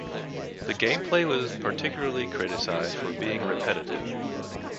The gameplay was particularly criticized for being repetitive.